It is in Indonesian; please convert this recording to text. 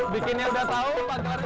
bikinnya udah tau pak jelani udah tau